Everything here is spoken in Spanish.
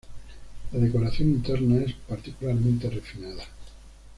La decoración interna es particularmente refinada.